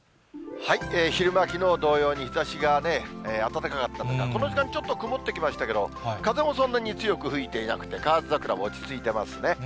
昼間、きのう同様に日ざしがね、暖かかったので、この時間、ちょっと曇ってきましたけど、風もそんなに強く吹いていなくて、河津桜も落ち着いてますね。